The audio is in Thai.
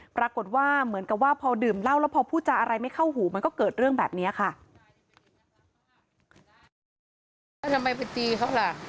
ปรากฏว่าเหมือนกับว่าพอดื่มเหล้าแล้วพอพูดจาอะไรไม่เข้าหูมันก็เกิดเรื่องแบบนี้ค่ะ